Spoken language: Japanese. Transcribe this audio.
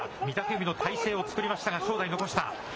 御嶽海の体勢を作りましたが、正代残した。